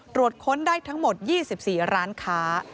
ค้นได้ทั้งหมด๒๔ร้านค้า